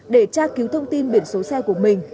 để tra cứu thông tin biển số xe của mình